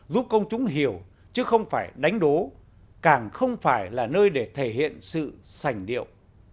giúp công chúng hiểu chứ không phải đánh đố càng không phải là nơi để thể hiện sự sành điệu